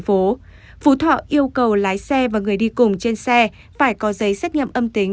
phú thọ yêu cầu lái xe và người đi cùng trên xe phải có giấy xét nghiệm âm tính